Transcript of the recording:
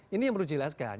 ini yang perlu dijelaskan